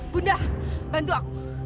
bunda bantu aku